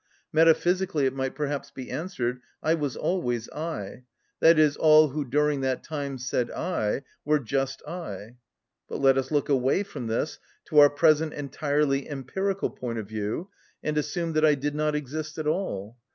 Metaphysically, it might perhaps be answered, "I was always I; that is, all who during that time said I, were just I." But let us look away from this to our present entirely empirical point of view, and assume that I did not exist at all.